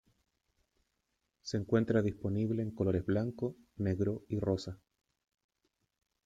Se encuentra disponible en colores blanco, negro y rosa.